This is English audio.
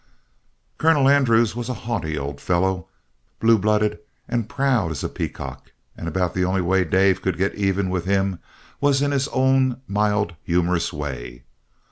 "Colonel Andrews was a haughty old fellow, blue blooded and proud as a peacock, and about the only way Dave could get even with him was in his own mild, humorous way.